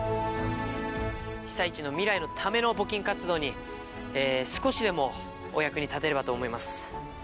被災地の未来のための募金活動に少しでもお役に立てればと思います。